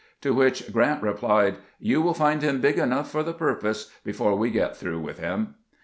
To which Q rant replied, "You win find him big enough for the purpose before we get through with him."